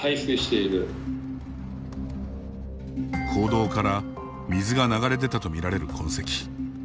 坑道から水が流れ出たと見られる痕跡。